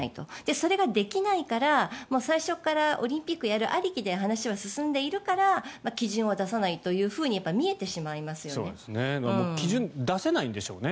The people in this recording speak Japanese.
それができないから最初からオリンピックをやるありきで話は進んでいるから基準は出さないというふうに見えてしまいますよね。